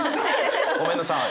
ごめんなさい。